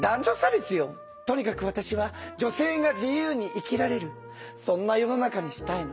とにかくわたしは女性が自由に生きられるそんな世の中にしたいの。